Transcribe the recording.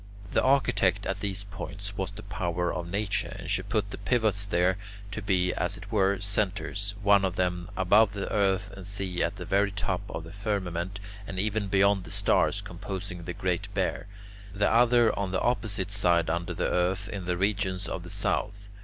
The architect at these points was the power of Nature, and she put the pivots there, to be, as it were, centres, one of them above the earth and sea at the very top of the firmament and even beyond the stars composing the Great Bear, the other on the opposite side under the earth in the regions of the south.